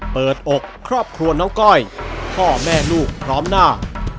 อกครอบครัวน้องก้อยพ่อแม่ลูกพร้อมหน้า